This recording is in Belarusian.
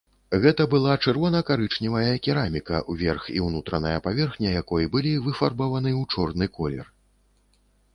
Гэта была чырвона-карычневая кераміка, верх і ўнутраная паверхня якой былі выфарбаваны ў чорны колер.